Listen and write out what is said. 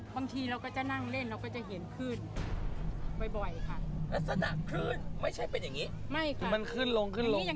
ปฏิหารเยอะอย่างไรคุณบอสมาฟันคุณแจ็กมา